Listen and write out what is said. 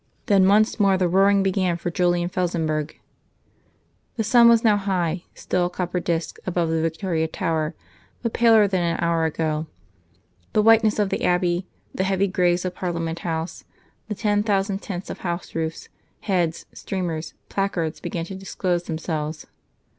Then once more the roaring began for Julian Felsenburgh. The sun was now high, still a copper disc, above the Victoria Tower, but paler than an hour ago; the whiteness of the Abbey, the heavy greys of Parliament House, the ten thousand tints of house roofs, heads, streamers, placards began to disclose themselves.